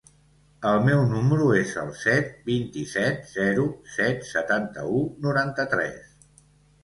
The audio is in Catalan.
El meu número es el set, vint-i-set, zero, set, setanta-u, noranta-tres.